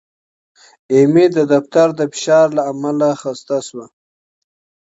ایمي د دفتر د فشار له امله خسته شوه.